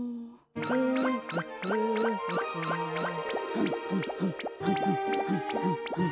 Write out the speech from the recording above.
はんはんはんはんはんはんはんはん。